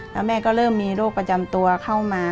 แล้วแม่ก็เริ่มมีโรคประจำตัวเข้ามา